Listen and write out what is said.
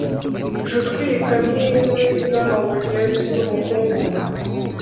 J utwika n inkwi n amabuye n umukungugu